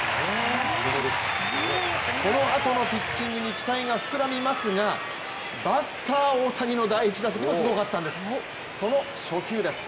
このあとのピッチングに期待が膨らみますがバッター・大谷の第１打席もすごかったんです。